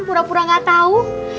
pura pura gak tau